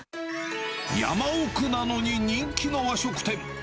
山奥なのに、人気の和食店。